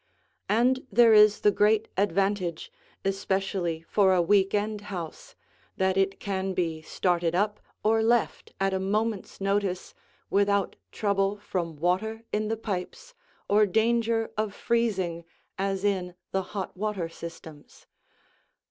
And there is the great advantage, especially for a week end house, that it can be started up or left at a moment's notice without trouble from water in the pipes or danger of freezing as in the hot water systems.